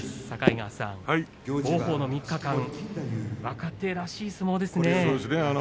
境川さん、王鵬の３日間若手らしい相撲ですね。